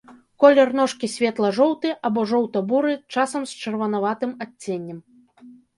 Колер ножкі светла-жоўты, або жоўта-буры, часам з чырванаватым адценнем.